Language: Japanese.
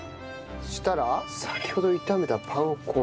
そしたら先ほど炒めたパン粉をのせます。